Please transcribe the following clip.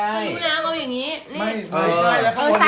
เอาอย่างนี้